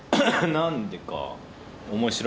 何でか。